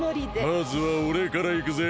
まずはおれからいくぜ。